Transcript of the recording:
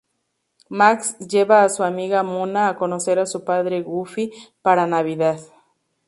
Max lleva a su amiga Mona a conocer a su padre Goofy para Navidad.